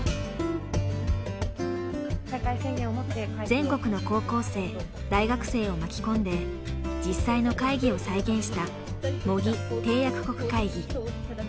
全国の高校生大学生を巻き込んで実際の会議を再現した“模擬”締約国会議。